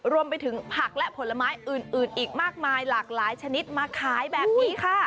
รวมไปถึงผักและผลไม้อื่นอีกมากมายหลากหลายชนิดมาขายแบบนี้ค่ะ